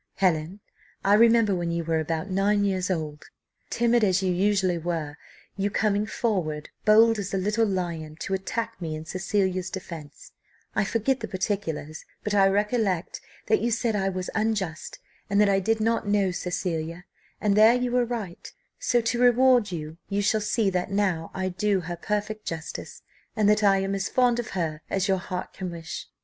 "Helen, I remember when you were about nine years old, timid as you usually were, your coming forward, bold as a little lion, to attack me in Cecilia's defence; I forget the particulars, but I recollect that you said I was unjust, and that I did not know Cecilia, and there you were right; so, to reward you, you shall see that now I do her perfect justice, and that I am as fond of her as your heart can wish.